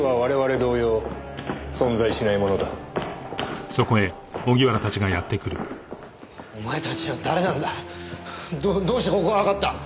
どうしてここがわかった？